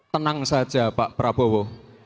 tenang saja pak prabowo